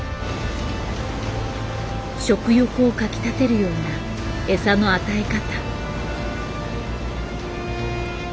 食欲をかきたてるような餌の与え方。